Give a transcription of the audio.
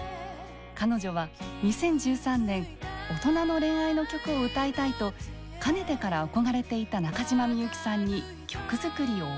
彼女は２０１３年「大人の恋愛の曲を歌いたい」とかねてから憧れていた中島みゆきさんに曲作りをオファー。